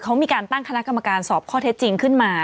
เขามีการตั้งคณะกรรมการสอบข้อเท็จจริงขึ้นมา